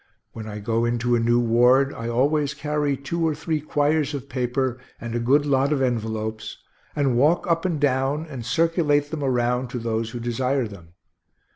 When I go into a new ward, I always carry two or three quires of paper and a good lot of envelopes, and walk up and down and circulate them around to those who desire them.